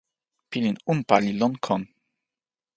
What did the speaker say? pilin unpa li lon kon.